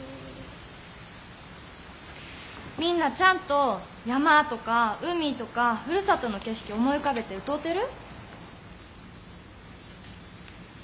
みんなちゃんと山とか海とかふるさとの景色思い浮かべて歌うてる？